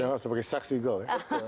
dengan sebagai sexy girl ya